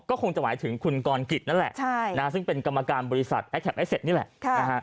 ก็คงจะหมายถึงคุณกรกิจนั่นแหละซึ่งเป็นกรรมการบริษัทแอคเอสเต็ดนี่แหละ